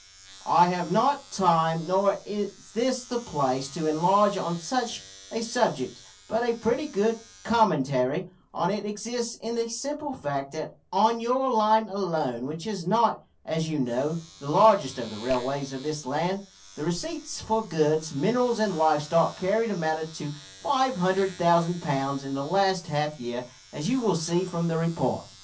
I have not time, nor is this the place, to enlarge on such a subject, but a pretty good commentary on it exists in the simple fact that on your line alone, which is not, as you know, the largest of the railways of this land, the receipts for goods, minerals, and live stock carried amounted to 500,000 pounds in the last half year, as you will see from the report.